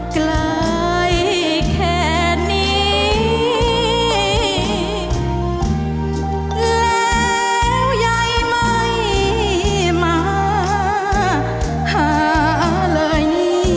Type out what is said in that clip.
ไกลแค่นี้แล้วยายไม่มาหาเลย